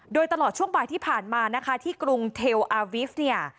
โดยตลอดช่วงบ่ายที่ผ่านมาที่กรุงเทลอาวิฟต์